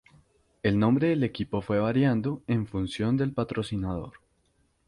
El nombre del equipo fue variando en función del patrocinador.